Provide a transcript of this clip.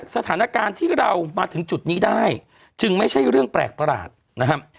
สถานการณ์ที่เรามาถึงจุดนี้ได้จึงไม่ใช่เรื่องแปลกประหลาดนะครับ